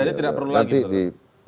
jadi tidak perlu lagi